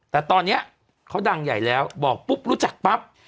แต่ตอนนี้เขาดังใหญ่แล้วบอกปุ๊บรู้จักปั๊บ